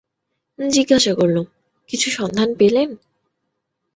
জিজ্ঞাসা করলুম, কিছু সন্ধান পেলেন?